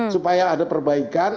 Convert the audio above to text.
supaya ada perbaikan